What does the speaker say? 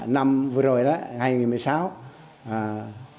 năm vừa rồi đó ngày hôm nay ngày hôm nay ngày hôm nay ngày hôm nay ngày hôm nay ngày hôm nay